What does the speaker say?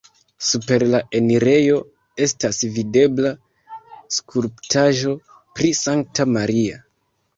Super la enirejo estas videbla skulptaĵo pri Sankta Maria.